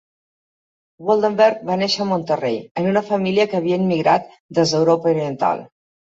Woldenberg va néixer a Monterrey en una família que havia immigrat des d'Europa Oriental.